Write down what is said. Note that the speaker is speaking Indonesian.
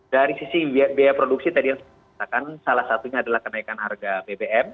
dari sisi biaya produksi tadi yang saya katakan salah satunya adalah kenaikan harga bbm